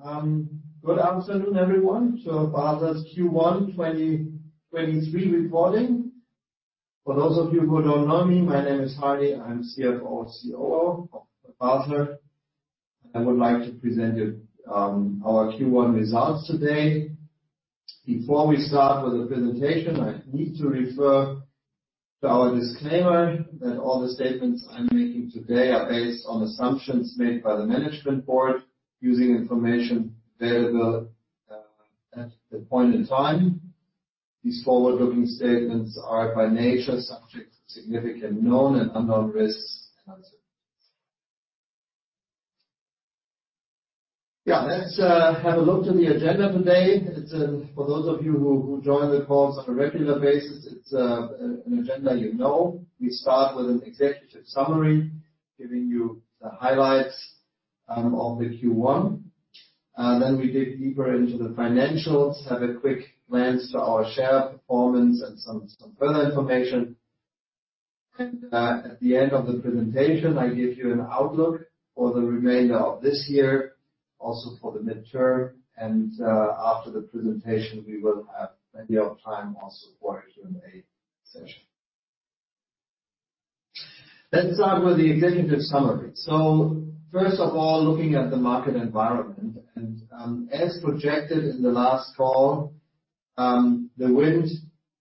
Good afternoon, everyone to Basler's Q1 2023 reporting. For those of you who don't know me, my name is Hardy. I'm CFO, COO of Basler. I would like to present you our Q1 results today. Before we start with the presentation, I need to refer to our disclaimer that all the statements I'm making today are based on assumptions made by the management board using information available at the point in time. These forward-looking statements are by nature subject to significant known and unknown risks and uncertainties. Yeah. Let's have a look to the agenda today. It's for those of you who join the calls on a regular basis, it's an agenda you know. We start with an executive summary, giving you the highlights of the Q1. We dig deeper into the financials, have a quick glance to our share performance and some further information. At the end of the presentation, I give you an outlook for the remainder of this year, also for the midterm. After the presentation, we will have plenty of time also for a Q&A session. Let's start with the executive summary. First of all, looking at the market environment, as projected in the last call, the wind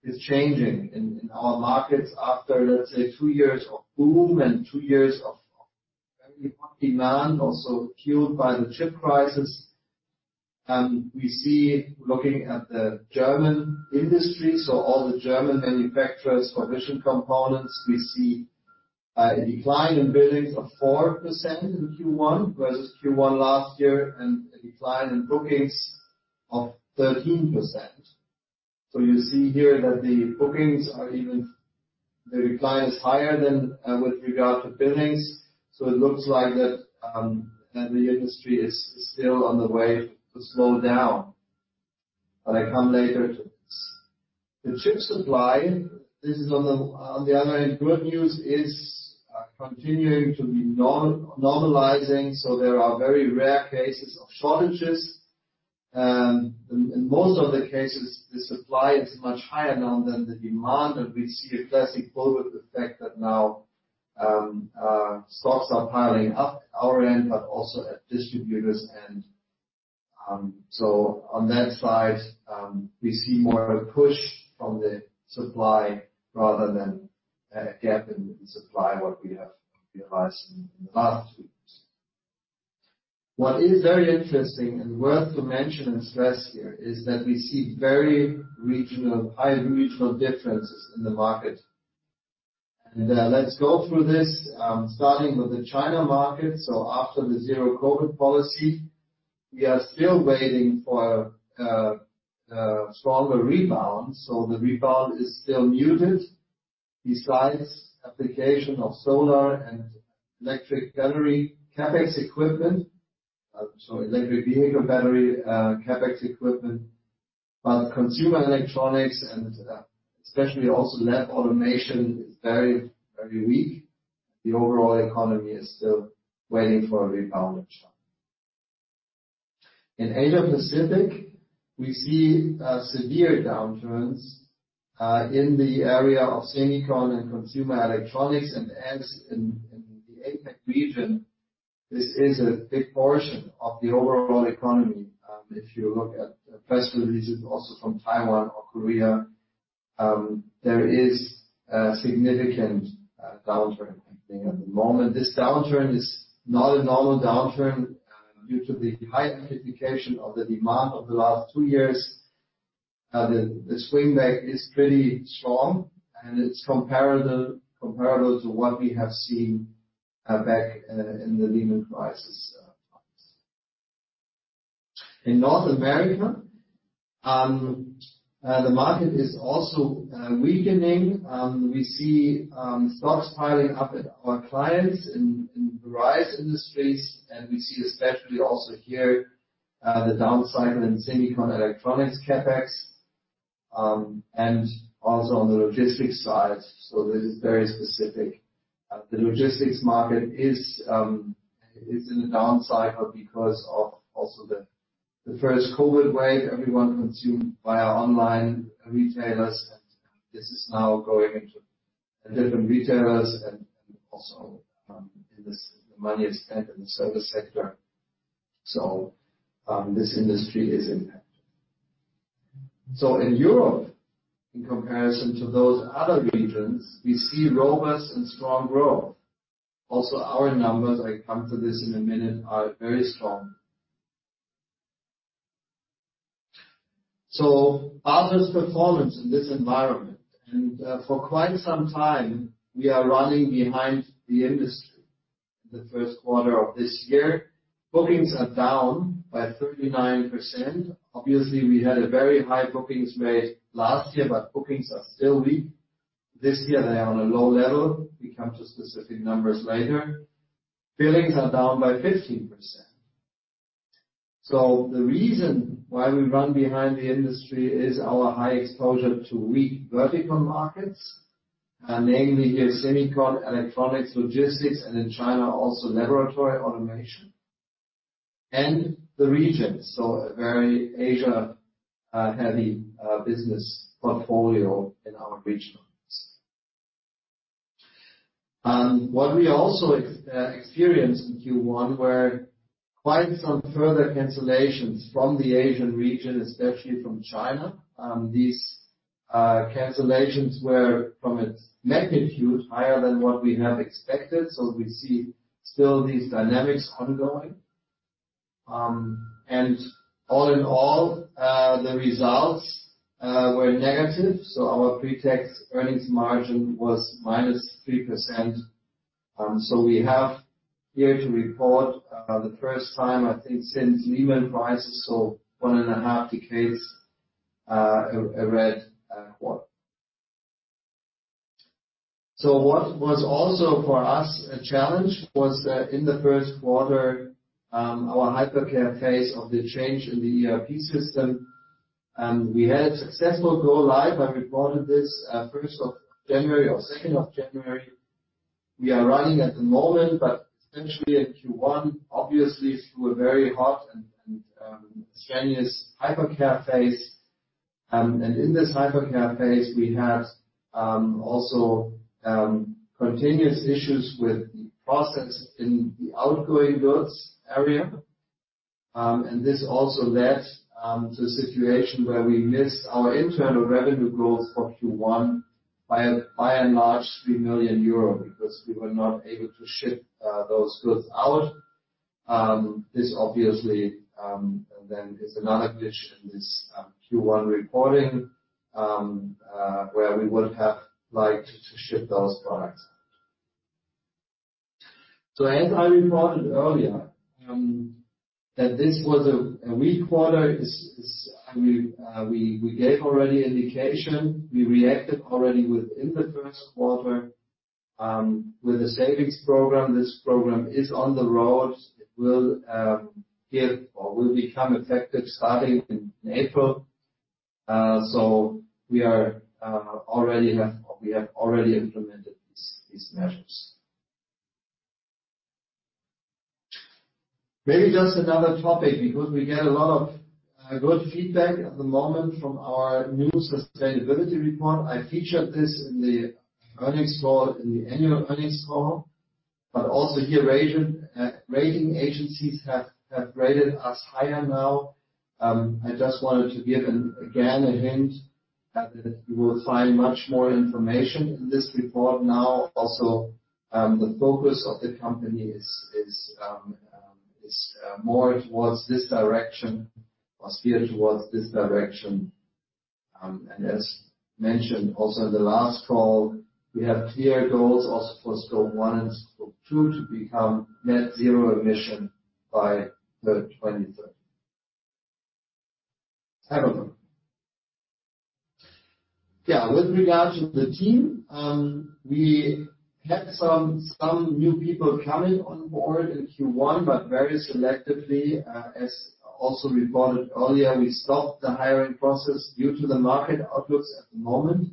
is changing in our markets after, let's say, two years of boom and two years of very important demand, also fueled by the chip crisis. We see looking at the German industry, so all the German manufacturers for vision components, we see a decline in billings of 4% in Q1 versus Q1 last year, and a decline in bookings of 13%. You see here that the bookings are even the decline is higher than with regard to billings. It looks like that the industry is still on the way to slow down. I come later to this. The chip supply, this is on the other hand, good news, is continuing to be normalizing, so there are very rare cases of shortages. In most of the cases, the supply is much higher now than the demand, and we see a classic COVID effect that now stocks are piling up at our end, but also at distributors. On that side, we see more of a push from the supply rather than a gap in supply, what we have realized in the last weeks. What is very interesting and worth to mention and stress here is that we see very regional, high regional differences in the market. Let's go through this, starting with the China market. After the zero-COVID policy, we are still waiting for a stronger rebound. The rebound is still muted. Besides application of solar and electric battery, CapEx equipment. Electric vehicle battery, CapEx equipment. Consumer electronics and especially also lab automation is very weak. The overall economy is still waiting for a rebound of China. In Asia Pacific, we see a severe downturns in the area of semicon and consumer electronics and ends in the APAC region. This is a big portion of the overall economy. If you look at press releases also from Taiwan or Korea, there is a significant downturn happening at the moment. This downturn is not a normal downturn due to the high amplification of the demand over the last two years. The swing back is pretty strong and it's comparable to what we have seen back in the Lehman crisis times. In North America, the market is also weakening. We see stocks piling up at our clients in various industries. We see especially also here the down cycle in semicon electronics CapEx and also on the logistics side. This is very specific. The logistics market is in a down cycle because of also the first COVID wave. Everyone consumed via online retailers. This is now going into the different retailers and also in this, the money spent in the service sector. This industry is impacted. In Europe, in comparison to those other regions, we see robust and strong growth. Also, our numbers, I come to this in a minute, are very strong. Basler's performance in this environment. For quite some time we are running behind the industry in the first quarter of this year. Bookings are down by 39%. Obviously, we had a very high bookings made last year, but bookings are still weak. This year they are on a low level. We come to specific numbers later. Billings are down by 15%. The reason why we run behind the industry is our high exposure to weak vertical markets. Namely here semicon, electronics, logistics, and in China also laboratory automation. The region, a very Asia heavy business portfolio in our regional mix. What we also experienced in Q1 were quite some further cancellations from the Asian region, especially from China. These cancellations were from its magnitude higher than what we have expected. We see still these dynamics ongoing. All in all, the results were negative. Our pre-tax earnings margin was -3%. We have here to report the first time, I think, since Lehman crisis, one and a half decades, a red quarter. What was also for us a challenge was that in the first quarter, our hypercare phase of the change in the ERP system, and we had a successful go live. I reported this first of January or second of January. We are running at the moment, but essentially in Q1, obviously through a very hot and strenuous hypercare phase. In this hypercare phase, we had also continuous issues with the process in the outgoing goods area. This also led to a situation where we missed our internal revenue growth for Q1 by a large 3 million euro because we were not able to ship those goods out. This obviously, then is another glitch in this Q1 reporting, where we would have liked to ship those products out. As I reported earlier, that this was a weak quarter is, and we gave already indication. We reacted already within the first quarter with a savings program. This program is on the road. It will give or will become effective starting in April. We are already have or we have already implemented these measures. Maybe just another topic because we get a lot of good feedback at the moment from our new sustainability report. I featured this in the earnings call, in the annual earnings call, but also here rating agencies have rated us higher now. I just wanted to give again a hint that you will find much more information in this report now. Also, the focus of the company is more towards this direction or steered towards this direction. As mentioned also in the last call, we have clear goals also for Scope 1 and Scope 2 to become net zero emission by 2030. Have a look. Yeah. With regard to the team, we had some new people coming on board in Q1, but very selectively. As also reported earlier, we stopped the hiring process due to the market outlooks at the moment.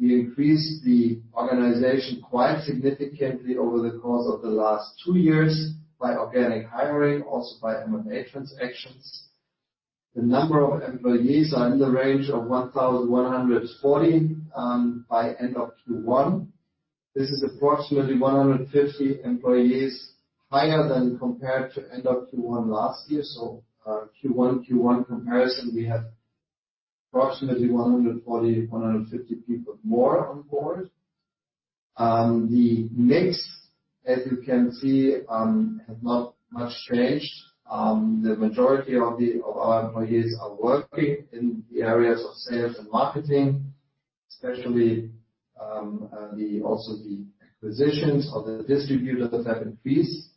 We increased the organization quite significantly over the course of the last two years by organic hiring, also by M&A transactions. The number of employees are in the range of 1,140 by end of Q1. This is approximately 150 employees higher than compared to end of Q1 last year. Q1 comparison, we have approximately 140, 150 people more on board. The mix, as you can see, has not much changed. The majority of our employees are working in the areas of sales and marketing, especially, also the acquisitions or the distributors have increased.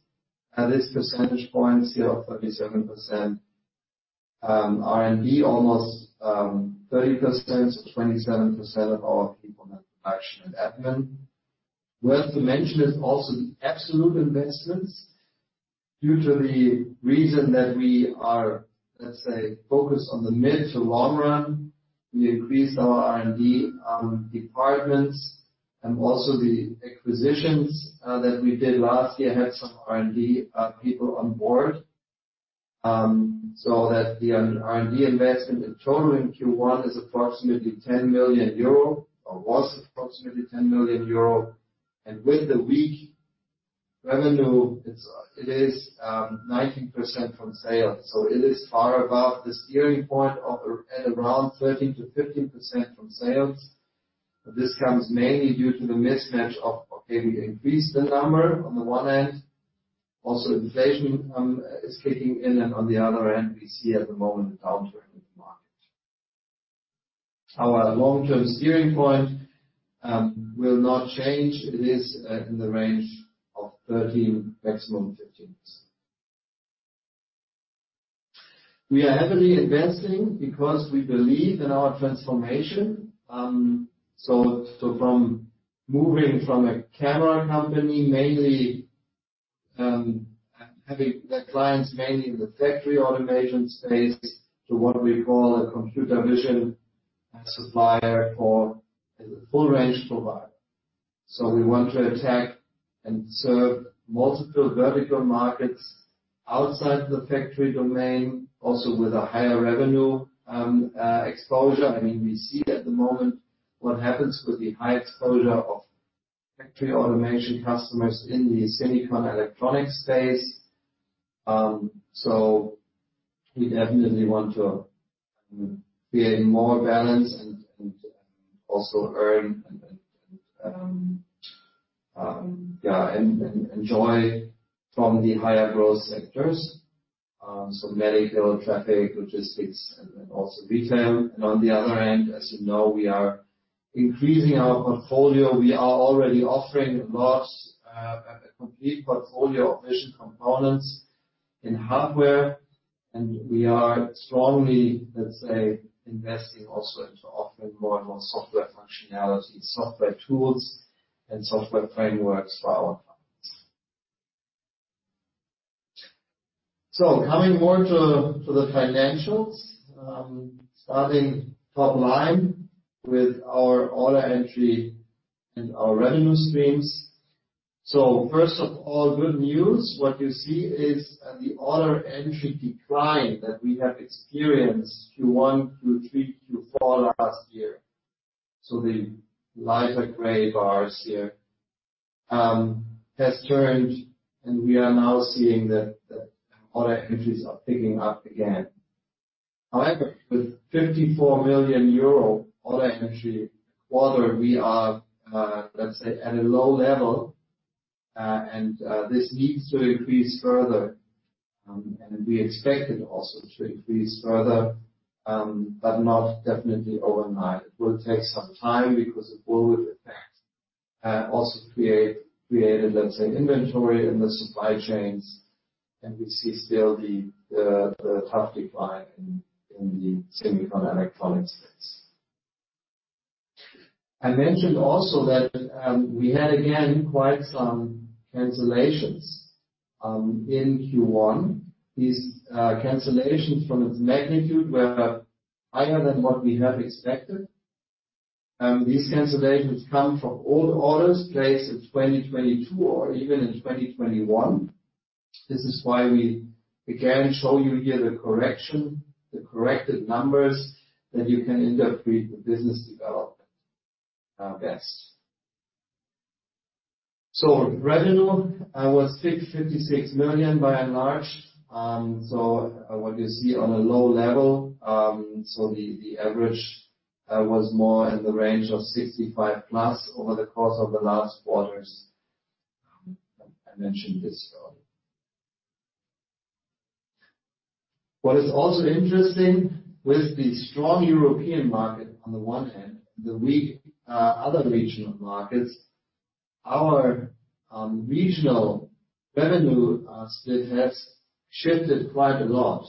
At this percentage points here of 37%. R&D almost, 30% to 27% of our people in production and admin. Worth to mention is also the absolute investments. Due to the reason that we are, let's say, focused on the mid to long run, we increased our R&D departments and also the acquisitions that we did last year had some R&D people on board. That the R&D investment in total in Q1 is approximately 10 million euro or was approximately 10 million euro. With the weak revenue, it is 19% from sales. It is far above the steering point at around 13%-15% from sales. This comes mainly due to the mismatch of, okay, we increase the number on the one end. Also inflation is kicking in and on the other end, we see at the moment a downturn in the market. Our long-term steering point will not change. It is in the range of 13%, maximum 15%. We are heavily investing because we believe in our transformation. From moving from a camera company mainly, and having their clients mainly in the factory automation space to what we call a computer vision supplier for as a full range provider. We want to attack and serve multiple vertical markets outside the factory domain, also with a higher revenue exposure. I mean, we see at the moment what happens with the high exposure of factory automation customers in the semiconductor electronic space. We definitely want to be a more balanced and also earn and enjoy from the higher growth sectors, so medical, traffic, logistics and also retail. On the other end, as you know, we are increasing our portfolio. We are already offering a lot, a complete portfolio of vision components in hardware, and we are strongly, let's say, investing also into offering more and more software functionality, software tools and software frameworks for our clients. Coming more to the financials, starting top line with our order entry and our revenue streams. First of all, good news. What you see is the order entry decline that we have experienced Q1, Q3, Q4 last year. The lighter gray bars here, has turned, and we are now seeing that order entries are picking up again. However, with 54 million euro order entry quarter, we are, let's say, at a low level, and this needs to increase further. And we expect it also to increase further, but not definitely overnight. It will take some time because of forward effect, also created, let's say, inventory in the supply chains, and we see still the tough decline in the semiconductor electronic space. I mentioned also that we had again quite some cancellations in Q1. These cancellations from its magnitude were higher than what we have expected. These cancellations come from old orders placed in 2022 or even in 2021. This is why we again show you here the correction, the corrected numbers that you can interpret the business development best. Revenue was 56 million by and large. what you see on a low level. the average was more in the range of 65+ over the course of the last quarters. I mentioned this earlier. What is also interesting with the strong European market on the one hand and the weak other regional markets, our regional revenue split has shifted quite a lot.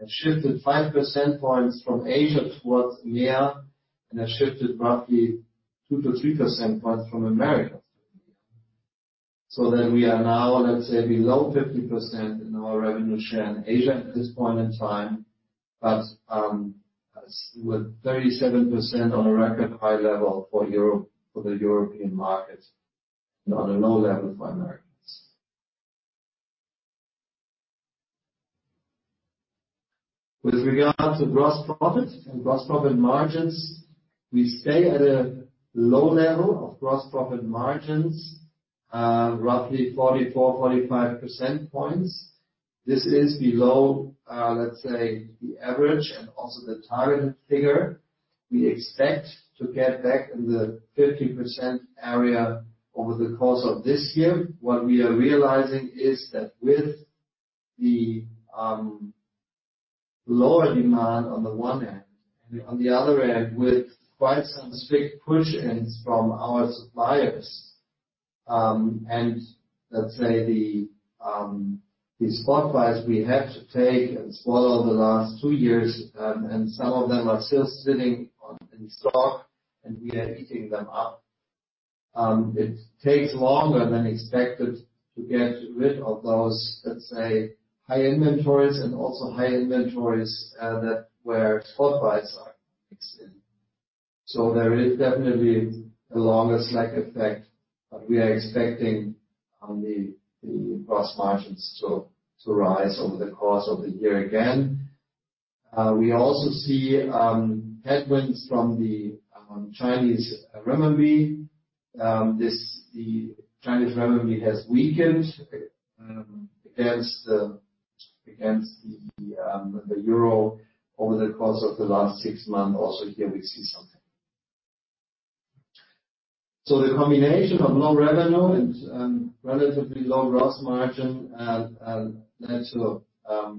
It shifted 5 percent points from Asia towards EMEA, and it shifted roughly 2%-3% points from Americas. That we are now, let's say, below 50% in our revenue share in Asia at this point in time. With 37% on a record high level for Europe, for the European market and on a low level for Americans. With regard to gross profit and gross profit margins, we stay at a low level of gross profit margins, roughly 44%-45% points. This is below, let's say, the average and also the target figure. We expect to get back in the 50% area over the course of this year. What we are realizing is that with the lower demand on the one hand and on the other hand, with quite some strict push-ins from our suppliers, and let's say the spot buys we had to take and swallow the last two years, and some of them are still sitting on in stock, and we are eating them up. It takes longer than expected to get rid of those, let's say, high inventories and also high inventories that where spot buys are mixed in. There is definitely a longer slack effect, but we are expecting the gross margins to rise over the course of the year again. We also see headwinds from the Chinese renminbi. The Chinese renminbi has weakened against the euro over the course of the last six months. Here we see something. The combination of low revenue and relatively low gross margin led to a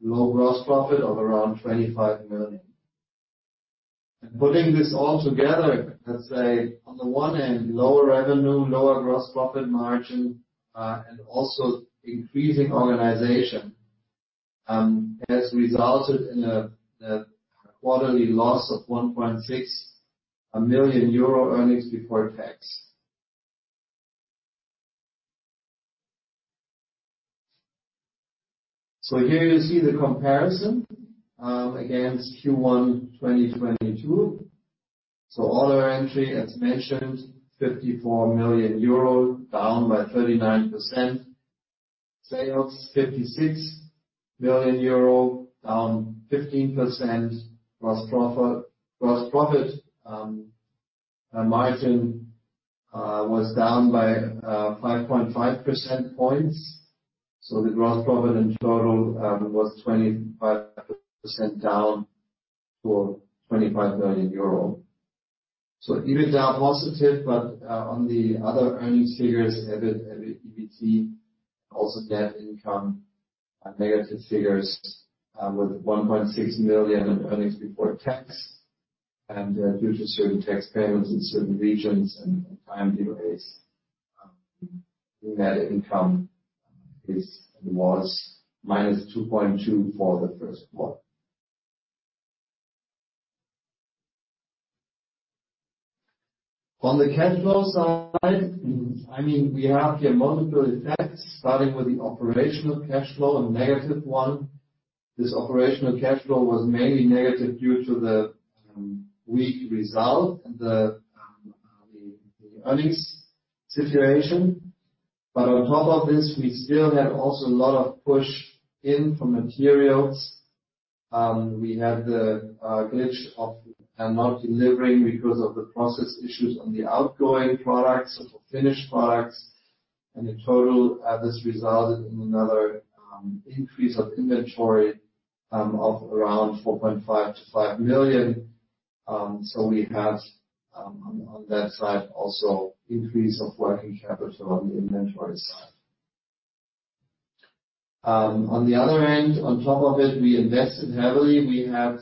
low gross profit of around 25 million. Putting this all together, let's say on the one hand, lower revenue, lower gross profit margin, and also increasing organization has resulted in a quarterly loss of EUR 1.6 million EBT. Here you see the comparison against Q1 2022. Order entry, as mentioned, 54 million euro, down by 39%. Sales 56 million euro, down 15%. Gross profit margin was down by 5.5 percentage points. The gross profit in total, was 25% down to EUR 25 million. EBIT down positive, but on the other earnings figures, EBIT, EBT also net income are negative figures, with 1.6 million in earnings before tax. Due to certain tax payments in certain regions and time delays, the net income is, was minus 2.2 for the first quarter. On the cash flow side, I mean, we have here multiple effects, starting with the operational cash flow, a negative one. This operational cash flow was mainly negative due to the weak result and the earnings situation. On top of this, we still had also a lot of push in from materials. We had the glitch of not delivering because of the process issues on the outgoing products, so for finished products. In total, this resulted in another increase of inventory of around 4.5 million-5 million. We had on that side also increase of working capital on the inventory side. On the other end, on top of it, we invested heavily. We had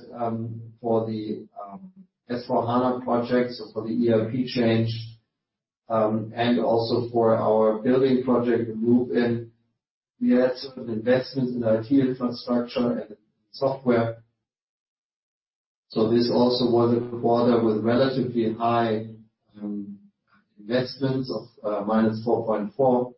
for the S/4HANA projects, so for the ERP change, and also for our building project to move in. We had certain investments in IT infrastructure and software. This also was a quarter with relatively high investments of -4.4.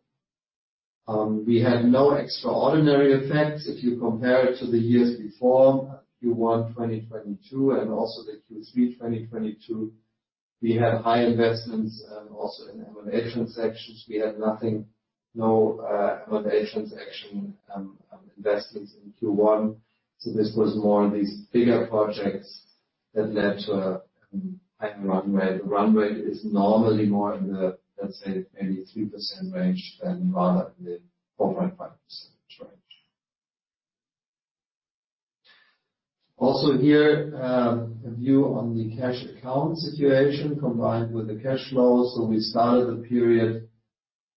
We had no extraordinary effects. If you compare it to the years before, Q1 2022 and also the Q3 2022, we had high investments, also in M&A transactions. We had nothing, no M&A transaction investments in Q1. This was more these bigger projects that led to a high run rate. The run rate is normally more in the, let's say, maybe 3% range than rather the 4.5% range. Here, a view on the cash account situation combined with the cash flow. We started the period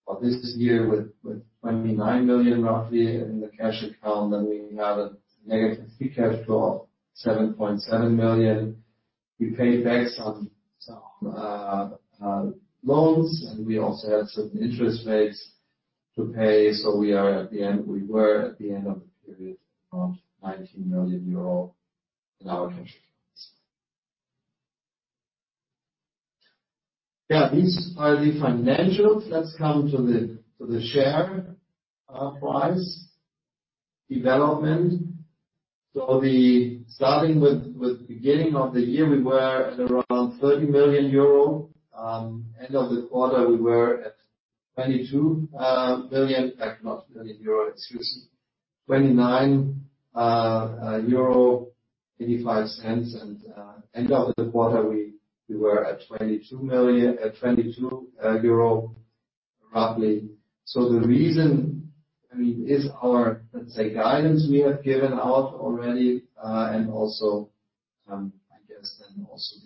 of this year with 29 million roughly in the cash account. We had a negative free cash flow of 7.7 million. We paid back some loans, and we also had certain interest rates to pay. We were at the end of the period around 19 million euro in our cash accounts. These are the financials. Let's come to the share price development. Starting with the beginning of the year, we were at around 30 million euro. End of the quarter, we were at 22 million. Not million EUR, excuse me. 29.85 euro. End of the quarter, we were at 22 roughly. The reason, I mean, is our, let's say, guidance we have given out already. I guess then also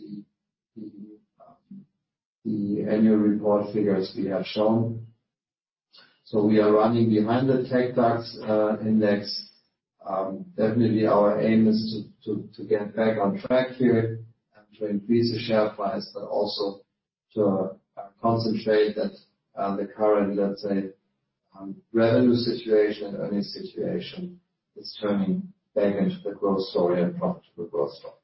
the annual report figures we have shown. We are running behind the TecDAX index. Definitely our aim is to get back on track here and to increase the share price, but also to concentrate that the current, let's say, revenue situation, earnings situation is turning back into the growth story and profitable growth story.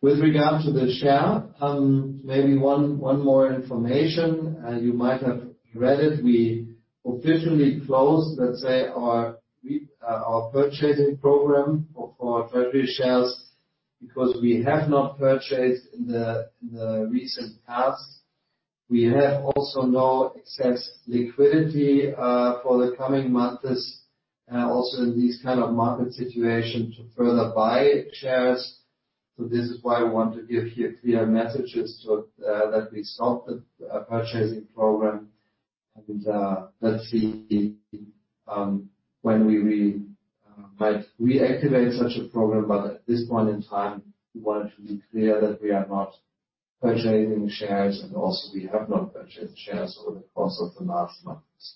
With regard to the share, maybe one more information, and you might have read it. We officially closed, let's say, our purchasing program for treasury shares, because we have not purchased in the recent past. We have also no excess liquidity for the coming months, also in these kind of market situations to further buy shares. This is why I want to give here clear messages to that we stopped the purchasing program. Let's see when we might reactivate such a program. At this point in time, we wanted to be clear that we are not purchasing shares and also we have not purchased shares over the course of the last months.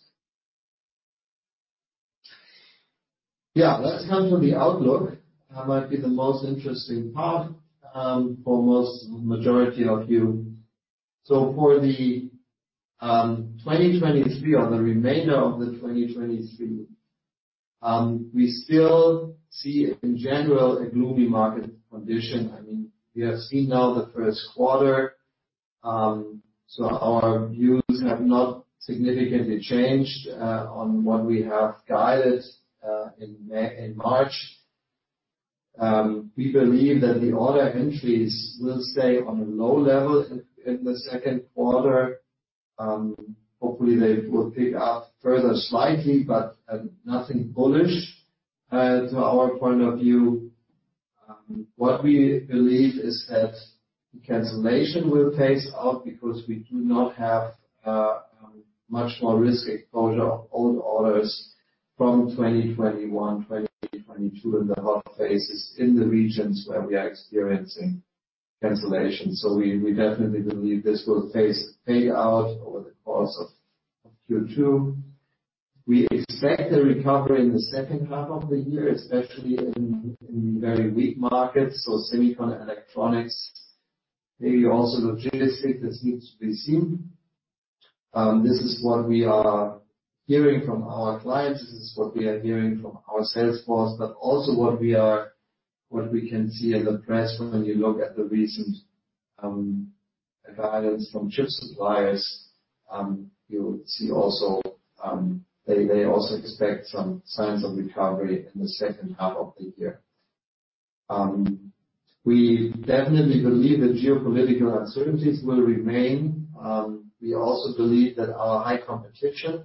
Yeah. Let's come to the outlook. That might be the most interesting part for most majority of you. For the 2023 or the remainder of the 2023, we still see in general a gloomy market condition. I mean, we have seen now the 1st quarter, so our views have not significantly changed on what we have guided in March. We believe that the order entries will stay on a low level in the second quarter. Hopefully they will pick up further slightly, but nothing bullish to our point of view. What we believe is that the cancellation will phase out because we do not have much more risk exposure of old orders from 2021, 2022 in the hot phases in the regions where we are experiencing cancellations. We definitely believe this will pay out over the course of Q2. We expect a recovery in the second half of the year, especially in very weak markets. Semiconductor electronics, maybe also logistics. This needs to be seen. This is what we are hearing from our clients. This is what we are hearing from our sales force, also what we can see in the press when you look at the recent guidance from chip suppliers, you see also they also expect some signs of recovery in the second half of the year. We definitely believe that geopolitical uncertainties will remain. We also believe that our high competition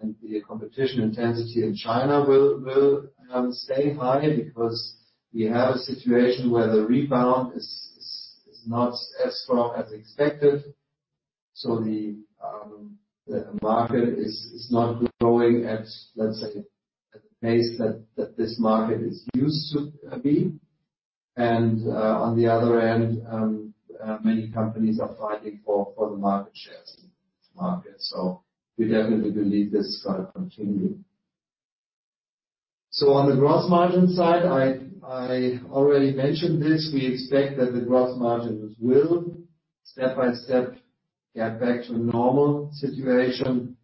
and the competition intensity in China will stay high because we have a situation where the rebound is not as strong as expected. The market is not growing at, let's say, at the pace that this market is used to be. On the other end, many companies are fighting for the market shares in this market. We definitely believe this is gonna continue. On the gross margin side, I already mentioned this, we expect that the gross margins will step by step get back to a normal situation,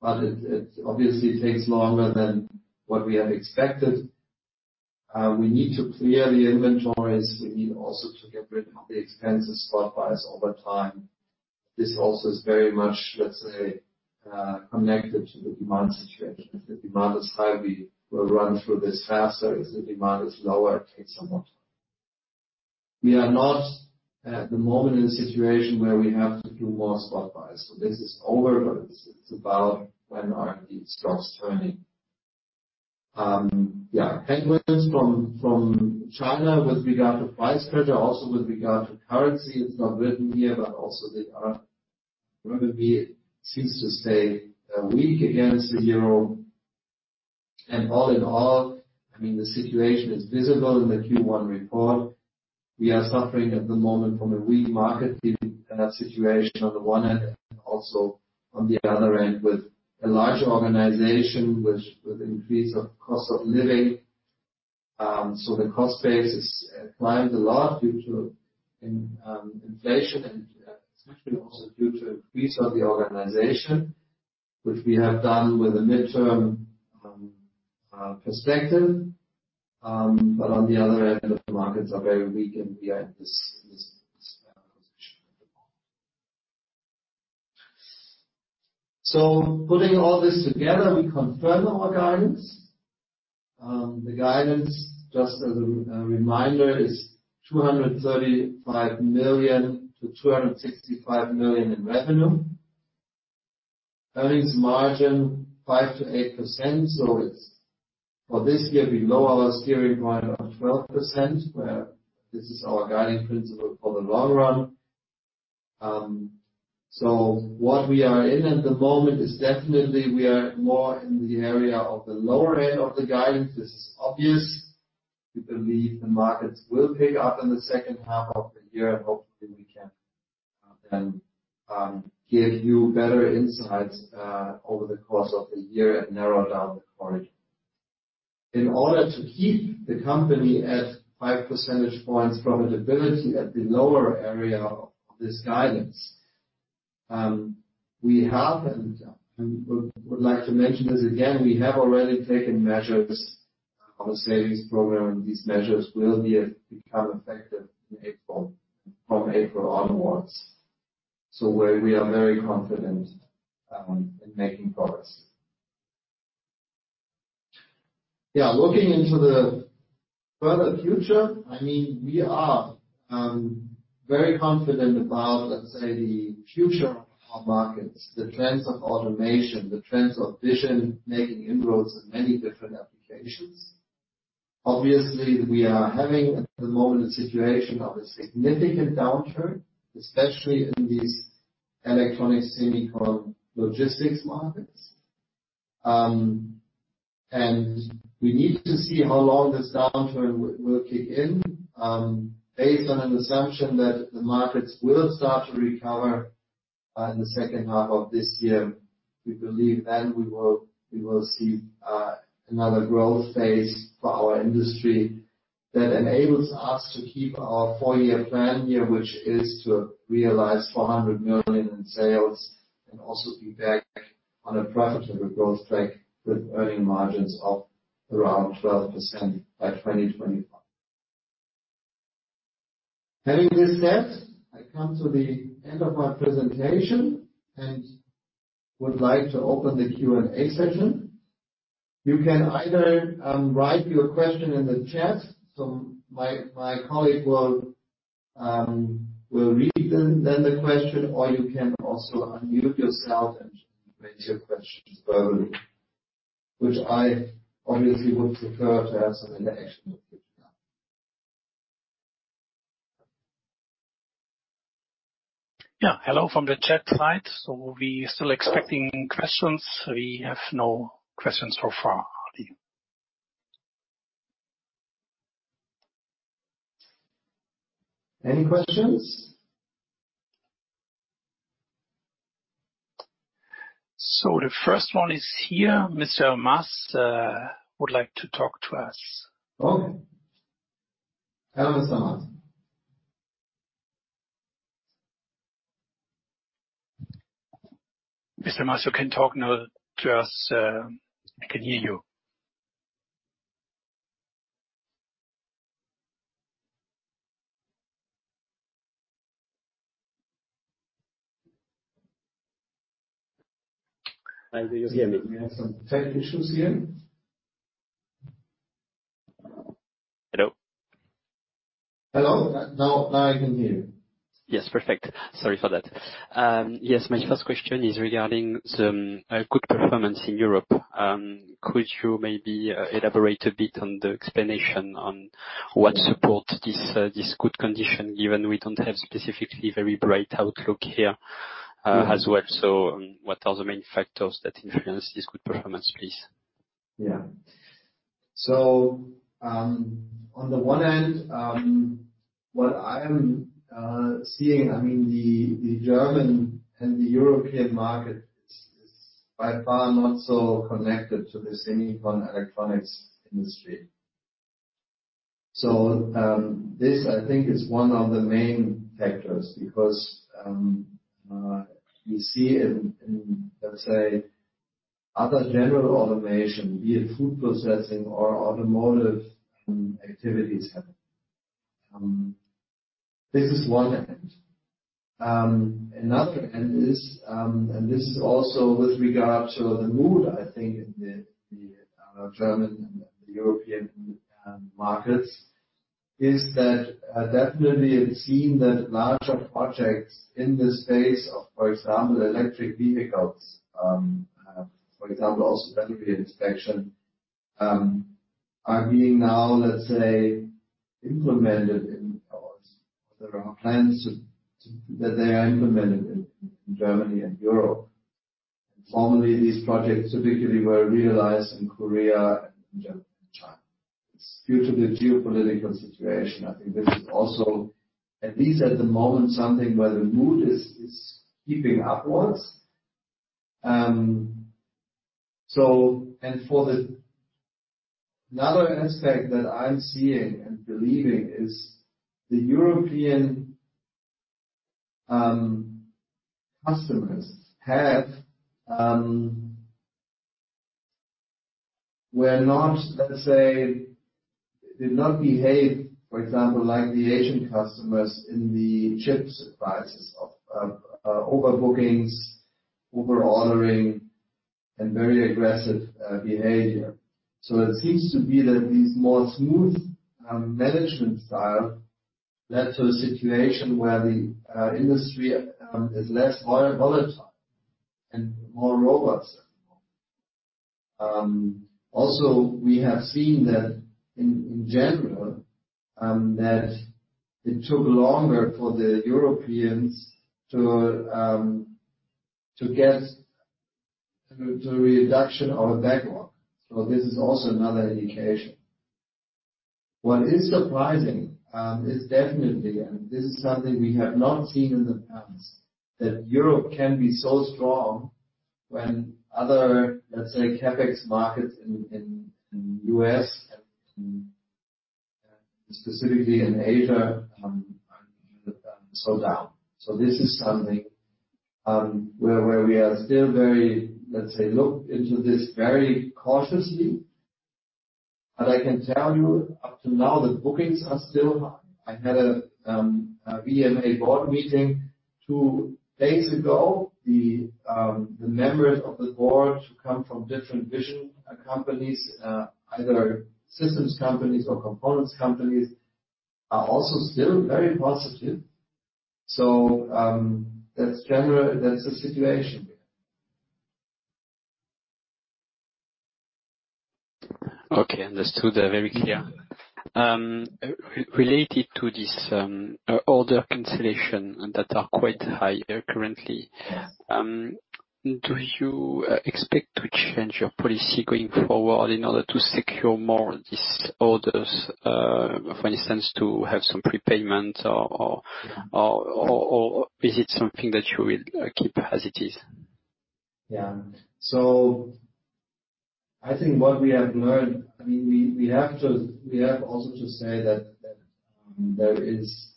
but it obviously takes longer than what we have expected. We need to clear the inventories. We need also to get rid of the expensive spot buys over time. This also is very much, let's say, connected to the demand situation. If the demand is high, we will run through this faster. If the demand is lower, it takes some more time. We are not at the moment in a situation where we have to do more spot buys. This is over, but it's about when are the stocks turning. Yeah. Headwinds from China with regard to price pressure, also with regard to currency. It's not written here, but also the yuan renminbi seems to stay weak against the euro. All in all, I mean, the situation is visible in the Q1 report. We are suffering at the moment from a weak market, situation on the one hand, and also on the other hand with a large organization which with increase of cost of living. The cost base is climbed a lot due to inflation and especially also due to increase of the organization, which we have done with a midterm perspective. On the other end of the markets are very weak and we are at this position at the moment. Putting all this together, we confirm our guidance. The guidance, just as a reminder, is 235 million-265 million in revenue. Earnings margin, 5%-8%. For this year, we lower our steering point of 12%, where this is our guiding principle for the long run. What we are in at the moment is definitely we are more in the area of the lower end of the guidance. This is obvious. We believe the markets will pick up in the second half of the year and hopefully we can give you better insights over the course of the year and narrow down the corridor. In order to keep the company at 5 percentage points profitability at the lower area of this guidance, we have and would like to mention this again, we have already taken measures on the savings program, and these measures will become effective in April, from April onwards. We are very confident in making progress. Yeah. Looking into the further future, I mean, we are very confident about, let's say, the future of our markets, the trends of automation, the trends of vision making inroads in many different applications. Obviously, we are having at the moment a situation of a significant downturn, especially in these electronic semiconductor logistics markets. We need to see how long this downturn will kick in. Based on an assumption that the markets will start to recover in the second half of this year, we believe then we will see another growth phase for our industry that enables us to keep our four-year plan here, which is to realize 400 million in sales and also be back on a profitable growth track with earning margins of around 12% by 2025. Having this said, I come to the end of my presentation and would like to open the Q&A session. You can either write your question in the chat, so my colleague will read them then the question or you can also unmute yourself and make your questions verbally, which I obviously would prefer to have some interaction with you now. Yeah. Hello from the chat side. We still expecting questions. We have no questions so far, Adi. Any questions? The first one is here. Mr. Mast, would like to talk to us. Okay. Hello, Mr. Mast. Mr. Mast, you can talk now to us, we can hear you. Can you hear me? We have some tech issues here. Hello? Hello. Now I can hear you. Yes. Perfect. Sorry for that. My first question is regarding some good performance in Europe. Could you maybe elaborate a bit on the explanation on what support this good condition, given we don't have specifically very bright outlook here, as well? What are the main factors that influence this good performance, please? Yeah. On the one end, what I am seeing, I mean, the German and the European market is by far not so connected to the semiconductor and electronics industry. This, I think, is one of the main factors because we see in, let's say, other general automation, be it food processing or automotive, activities happening. This is one end. Another end is, and this is also with regard to the mood, I think, in the German and the European markets, is that definitely we've seen that larger projects in the space of, for example, electric vehicles, for example, also battery inspection, are being now, let's say, implemented in or there are plans to that they are implemented in Germany and Europe. Formerly these projects typically were realized in Korea and China. It's due to the geopolitical situation. I think this is also, at least at the moment, something where the mood is keeping upwards. For the another aspect that I'm seeing and believing is the European customers have. Were not, let's say, did not behave, for example, like the Asian customers in the chips crisis of overbookings, over-ordering, and very aggressive behavior. It seems to be that these more smooth management style led to a situation where the industry is less volatile and more robust at the moment. Also we have seen that in general that it took longer for the Europeans to get to reduction of a backlog. This is also another indication. What is surprising, is definitely, and this is something we have not seen in the past, that Europe can be so strong when other, let's say, CapEx markets in U.S. and specifically in Asia, are slow down. This is something where we are still very, let's say, look into this very cautiously. I can tell you up to now, the bookings are still high. I had a VDMA board meeting two days ago. The members of the board who come from different vision companies, either systems companies or components companies, are also still very positive. That's the situation. Okay. Understood. Very clear. Related to this, order cancellation that are quite high currently. Yes. Do you expect to change your policy going forward in order to secure more of these orders, for instance, to have some prepayment or is it something that you will keep as it is? I think what we have learned, I mean, we have also to say that there is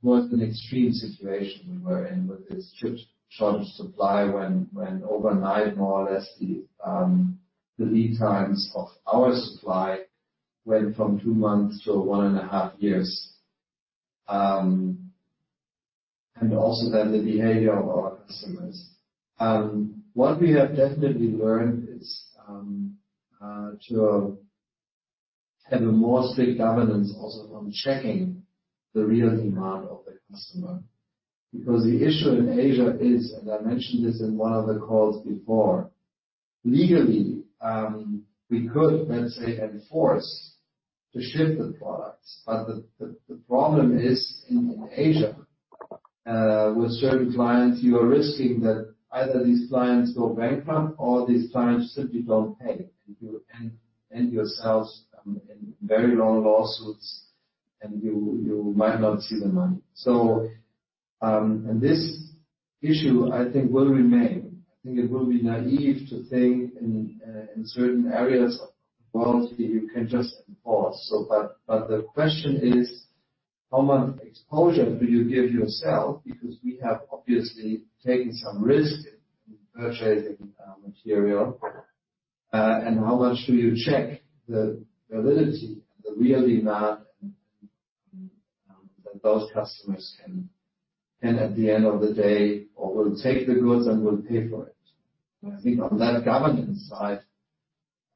more of an extreme situation we were in with this sharp supply when overnight more or less the lead times of our supply went from two months to one and half years. Also then the behavior of our customers. What we have definitely learned is to have a more strict governance also on checking the real demand of the customer. Because the issue in Asia is, and I mentioned this in one of the calls before, legally, we could, let's say, enforce to ship the products. The problem is in Asia with certain clients, you are risking that either these clients go bankrupt or these clients simply don't pay. You end yourselves in very long lawsuits, and you might not see the money. This issue I think will remain. I think it will be naive to think in certain areas of the world that you can just enforce. But the question is, how much exposure do you give yourself? Because we have obviously taken some risk in purchasing material. And how much do you check the validity, the real demand that those customers can at the end of the day or will take the goods and will pay for it. I think on that governance side,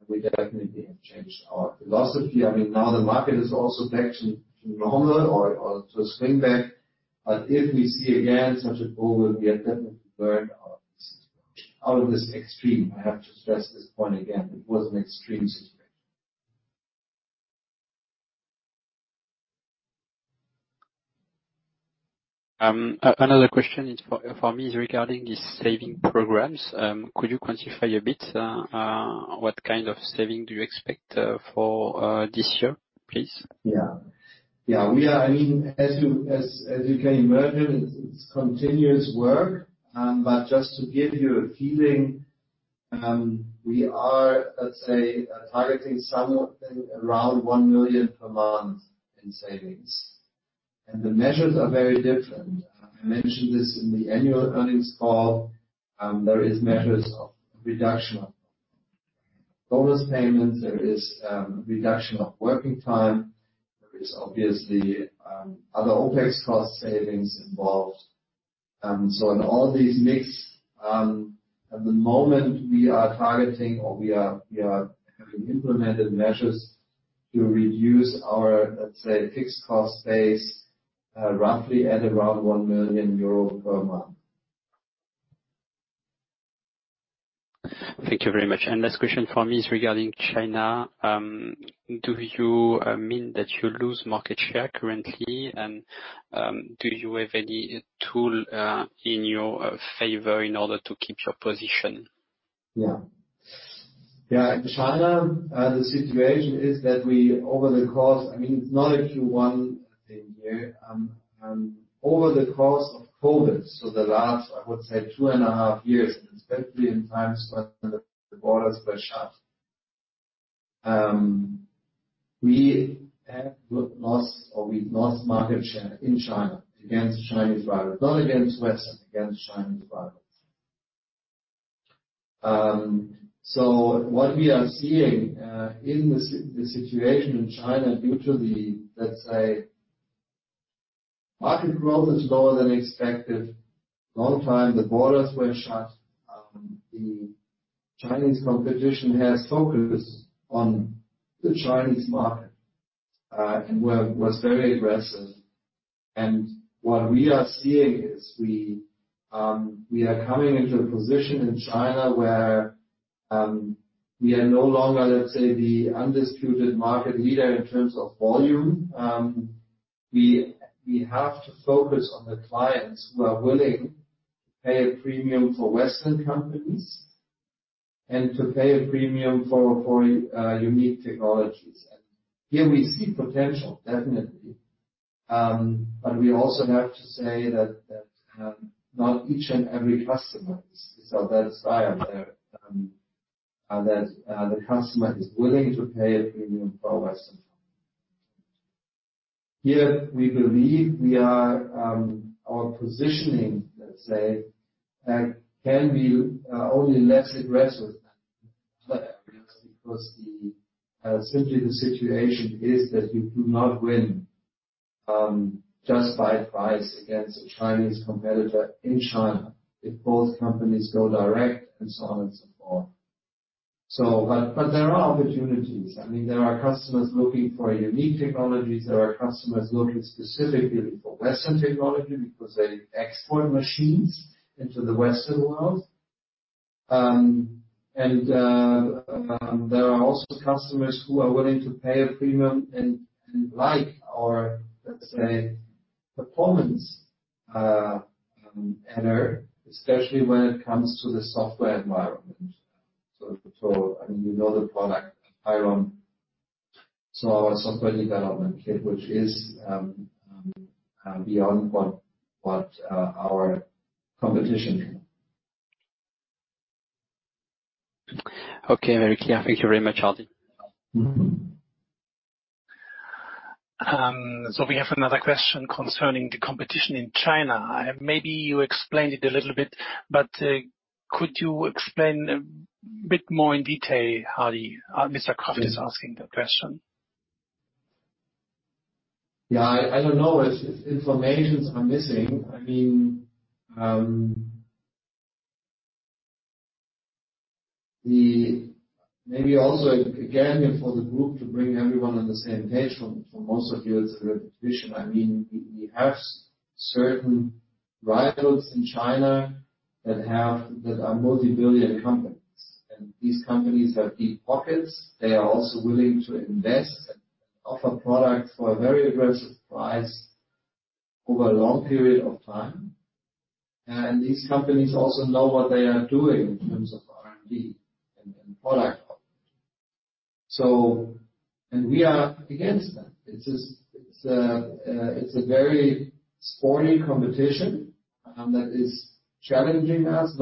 we definitely have changed our philosophy. I mean, now the market is also back to normal or to a swing back. If we see again such a boom, we have definitely learned our lessons out of this extreme. I have to stress this point again, it was an extreme situation. Another question for me is regarding these saving programs. Could you quantify a bit, what kind of saving do you expect for this year, please? Yeah. I mean, as you can imagine, it's continuous work. But just to give you a feeling, we are, let's say, targeting something around 1 million per month in savings. The measures are very different. I mentioned this in the Annual Earnings Call. There is measures of reduction of bonus payments. There is reduction of working time. There is obviously other OpEx cost savings involved. So in all these mix, at the moment we are targeting or we are having implemented measures to reduce our, let's say, fixed cost base, roughly at around 1 million euro per month. Thank you very much. Last question from me is regarding China. Do you mean that you lose market share currently? Do you have any tool in your favor in order to keep your position? Yeah. Yeah. In China, the situation is that we over the course. I mean, it's not actually one thing here. Over the course of COVID, so the last, I would say two and a half years, and especially in times when the borders were shut, we've lost market share in China against Chinese rivals. Not against Western, against Chinese rivals. What we are seeing, the situation in China due to the, let's say, market growth is lower than expected. Long time the borders were shut. The Chinese competition has focused on the Chinese market and was very aggressive. What we are seeing is we are coming into a position in China where we are no longer, let's say, the undisputed market leader in terms of volume. We have to focus on the clients who are willing to pay a premium for Western companies and to pay a premium for unique technologies. Here we see potential, definitely. We also have to say that not each and every customer is our best buyer there. That the customer is willing to pay a premium for a Western company. Here we believe we are, our positioning, let's say, can be only less aggressive than other areas because simply the situation is that you do not win just by price against a Chinese competitor in China if both companies go direct and so on and so forth. There are opportunities. I mean, there are customers looking for unique technologies. There are customers looking specifically for Western technology because they export machines into the Western world. There are also customers who are willing to pay a premium and like our, let's say Performance, especially when it comes to the software environment. I mean, you know the product pylon. Our software development kit, which is beyond what our competition can. Okay, very clear. Thank you very much, Hardy. We have another question concerning the competition in China. Maybe you explained it a little bit, but, could you explain a bit more in detail, Hardy? Mr. Kraft is asking the question. Yeah. I don't know if informations are missing. I mean, maybe also, again, for the group to bring everyone on the same page, for most of you, it's a repetition. I mean, we have certain rivals in China that are multi-billion companies. These companies have deep pockets. They are also willing to invest and offer products for a very aggressive price over a long period of time. These companies also know what they are doing in terms of R&D and product offering. We are against that. It's just, it's a very sporty competition that is challenging us,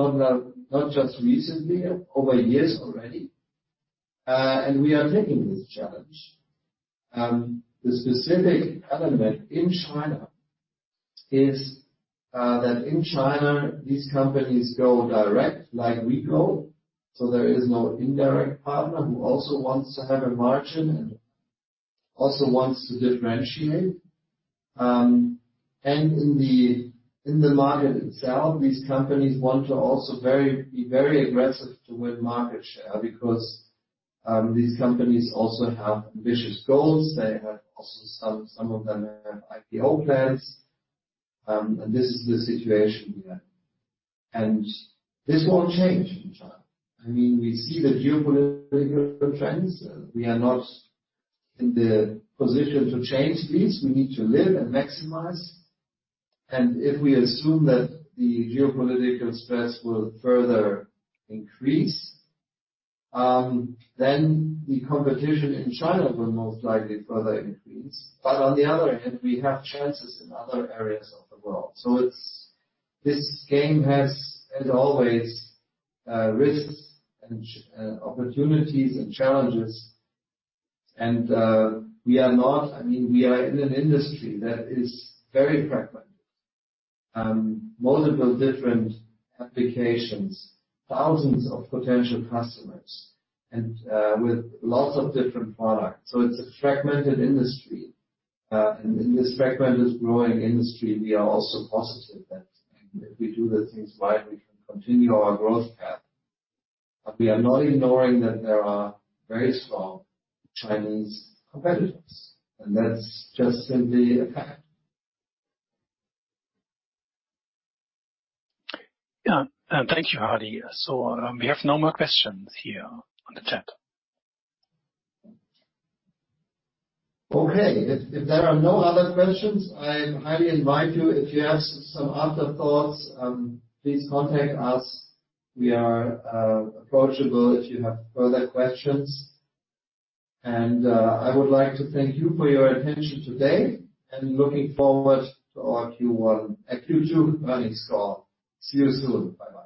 not just recently, over years already. We are taking this challenge. The specific element in China is that in China, these companies go direct like we go, so there is no indirect partner who also wants to have a margin and also wants to differentiate. In the market itself, these companies want to also be very aggressive to win market share because these companies also have ambitious goals. They have also some of them have IPO plans. This is the situation we are. This won't change in China. I mean, we see the geopolitical trends. We are not in the position to change these. We need to live and maximize. If we assume that the geopolitical stress will further increase, then the competition in China will most likely further increase. On the other hand, we have chances in other areas of the world. This game has, as always, risks and opportunities and challenges. I mean, we are in an industry that is very fragmented. Multiple different applications, thousands of potential customers and with lots of different products. It's a fragmented industry. In this fragmented growing industry, we are also positive that if we do the things right, we can continue our growth path. We are not ignoring that there are very strong Chinese competitors, that's just simply a fact. Yeah. Thank you, Hardy. We have no more questions here on the chat. Okay. If there are no other questions, I highly invite you. If you have some other thoughts, please contact us. We are approachable if you have further questions. I would like to thank you for your attention today, and looking forward to our Q2 earnings call. See you soon. Bye-bye.